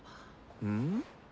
うん？